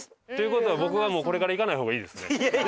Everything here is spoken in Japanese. っていう事は僕はもうこれから行かない方がいいですね。